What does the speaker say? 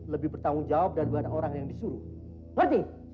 lebih bertanggung jawab dari orang yang disuruh